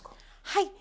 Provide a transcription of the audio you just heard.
はい。